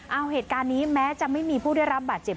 เอาเหตุการณ์นี้แม้จะไม่มีผู้ได้รับบาดเจ็บ